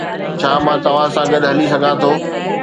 ڇا مان توهان سان گڏ هلي سگهان ٿو